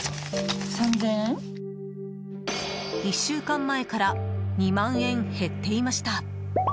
１週間前から２万円、減っていました。